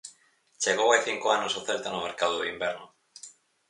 Chegou hai cinco anos ao Celta no mercado de inverno.